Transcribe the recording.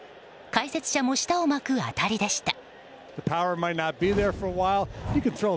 解説者も舌を巻く当たりでした。